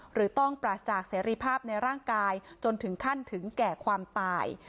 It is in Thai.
หรือต้องปราศจากเสรีภาพในร่างกายจนถึงขั้นถึงแก่ความตาย